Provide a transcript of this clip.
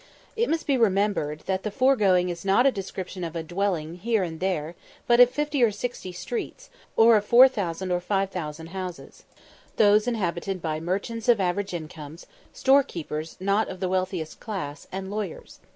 It must be remembered that the foregoing is not a description of a dwelling here and there, but of fifty or sixty streets, or of 4000 or 5000 houses, those inhabited by merchants of average incomes, storekeepers not of the wealthiest class, and lawyers.